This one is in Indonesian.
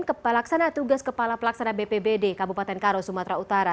kepala laksana tugas kepala pelaksana bpbd kabupaten karo sumatera utara